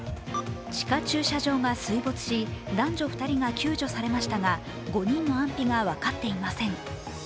地下駐車場が水没し男女２人が救助されましたが５人の安否が分かっていません。